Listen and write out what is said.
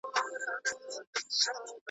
لا تر څو به دا سړې دا اوږدې شپې وي .